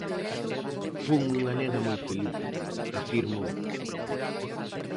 "Fun unha nena moi feliz", afirmou.